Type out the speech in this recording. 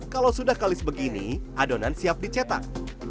kalau sudah kalis begini adonan siap dicetak